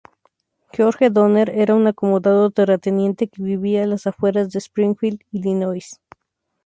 George Donner era un acomodado terrateniente que vivía a las afueras de Springfield, Illinois.